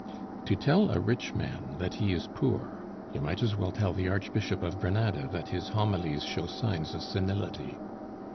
To tell a rich man that he is poor! you might as well tell the Archbishop of Granada that his homilies show signs of senility.